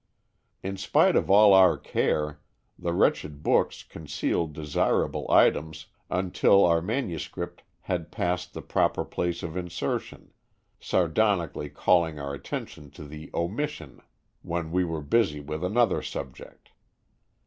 In spite of all our care, the wretched books concealed desirable items until our manuscript had passed the proper place of insertion, sardonically calling our attention to the omissions when we were busy with another subject.